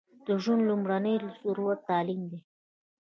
د ژوند لمړنۍ ضرورت تعلیم دی